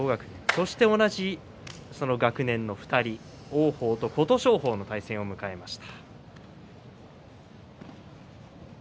そして同じその学年の２人王鵬と琴勝峰の対戦を迎えています。